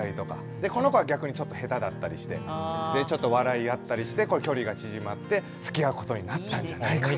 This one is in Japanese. でこの子は逆にちょっと下手だったりしてちょっと笑い合ったりして距離が縮まってつきあうことになったんじゃないかと。